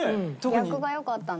逆がよかったな。